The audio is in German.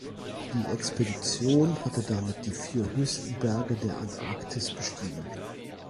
Diese Expedition hatte damit die vier höchsten Berge der Antarktis bestiegen.